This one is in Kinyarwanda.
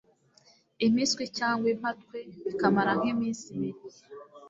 impiswi cyangwa impatwe bikamara nk'iminsi ibiri